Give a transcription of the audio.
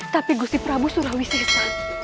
tapi gusti prabu sulawesi